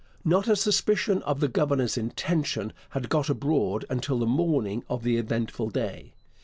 Not a suspicion of the governor's intention had got abroad until the morning of the eventful day.